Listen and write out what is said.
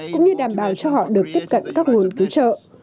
cũng như đảm bảo cho họ được tiếp cận các nguồn cứu trợ